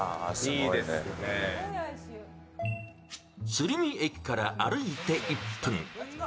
鶴見駅から歩いて１分。